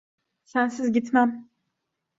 Sensiz gitmem.